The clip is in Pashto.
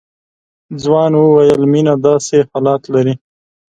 ځوان وويل مينه داسې حالات لري.